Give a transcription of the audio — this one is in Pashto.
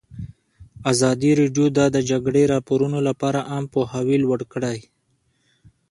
ازادي راډیو د د جګړې راپورونه لپاره عامه پوهاوي لوړ کړی.